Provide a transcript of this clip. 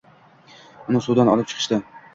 Uni suvdan olib chiqishdi